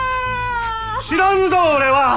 知らんぞ俺は。